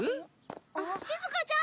しずかちゃん！